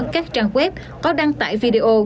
các trang web có đăng tải video